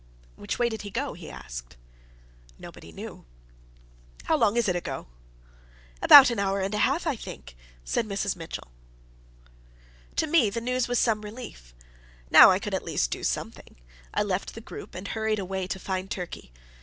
"Which way did he go?" he asked. Nobody knew. "How long is it ago?" "About an hour and a half, I think," said Mrs. Mitchell. To me the news was some relief. Now I could at least do something. I left the group, and hurried away to find Turkey.